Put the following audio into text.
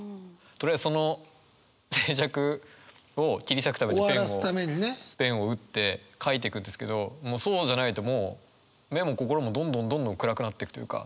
とりあえずその静寂を切り裂くためにペンをペンを打って書いてくんですけどもうそうじゃないと目も心もどんどんどんどん暗くなってくというか。